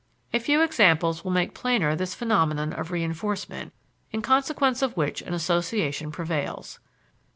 A few examples will make plainer this phenomenon of reinforcement, in consequence of which an association prevails.